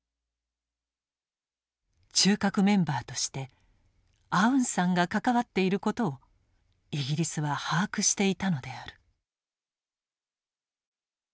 中核メンバーとしてアウンサンが関わっていることをイギリスは把握していたのである。